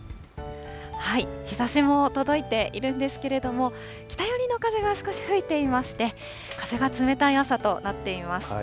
日ざしも届いているんですけれども、北寄りの風が少し吹いていまして、風が冷たい朝となっています。